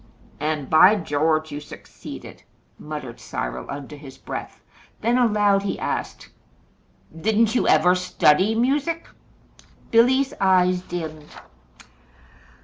"And, by George! you succeeded," muttered Cyril under his breath; then aloud he asked: "Didn't you ever study music?" Billy's eyes dimmed.